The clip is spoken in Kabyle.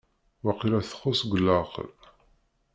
Waqila txuṣ deg leɛqel?